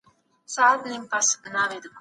پر بنسټ لیکلی دی